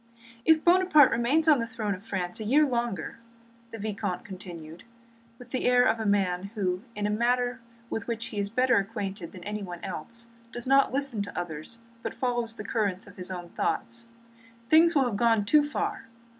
"If Buonaparte remains on the throne of France a year longer," the vicomte continued, with the air of a man who, in a matter with which he is better acquainted than anyone else, does not listen to others but follows the current of his own thoughts, "things will have gone too far.